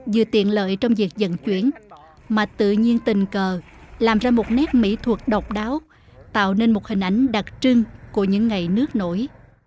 vừa tiện lợi trong việc dẫn chuyển mà tự nhiên tình cờ làm ra một nét mỹ thuật độc đáo tạo nên một hình ảnh đặc trưng của những ngày nước nổi